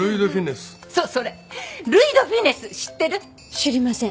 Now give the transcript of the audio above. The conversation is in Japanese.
知りません。